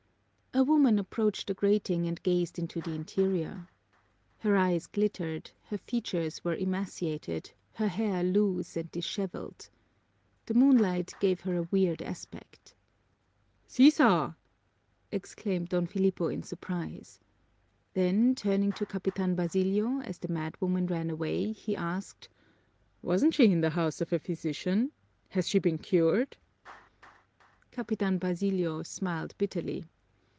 A woman approached the grating and gazed into the interior. Her eyes glittered, her features were emaciated, her hair loose and dishevelled. The moonlight gave her a weird aspect. "Sisal" exclaimed Don Filipo in surprise. Then turning to Capitan Basilio, as the madwoman ran away, he asked, "Wasn't she in the house of a physician? Has she been cured?" Capitan Basilio smiled bitterly.